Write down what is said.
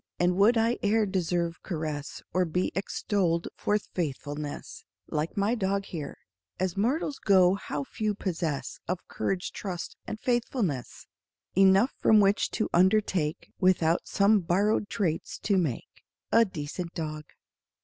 And would I e'er deserve caress, Or be extolled for faithfulness Like my dog here? As mortals go, how few possess Of courage, trust, and faithfulness Enough from which to undertake, Without some borrowed traits, to make A decent dog!